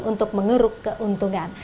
untuk mengeruk keuntungan